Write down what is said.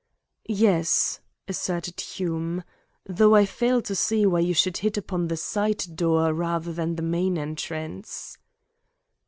"Yes," assented Hume, "though I fail to see why you should hit upon the side door rather than the main entrance."